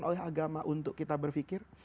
oleh agama untuk kita berpikir